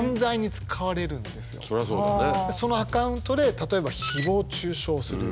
それってそのアカウントで例えばひぼう中傷する。